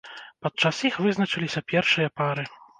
Падчас іх вызначаліся першыя пары.